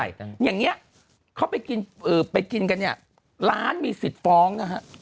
อย่างนี้เขาไปกินกันเนี่ยล้านมีสิทธิ์ฟ้องนะฮะ